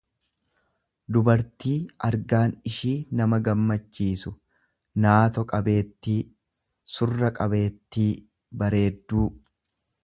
dubartii argaan ishii nama gammachiisu, naato qabeettii surra qabeettii, bareedduu.